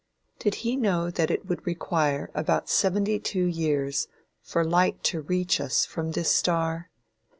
Did he know that it would require about seventy two years for light to reach us from this star?